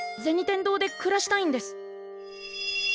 天堂で暮らしたいんです。